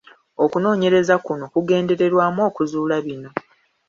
Okunoonyereza kuno kugendereddwamu okuzuula bino: